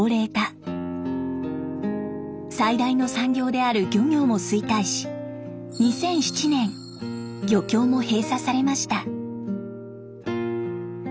最大の産業である漁業も衰退し２００７年漁協も閉鎖されました。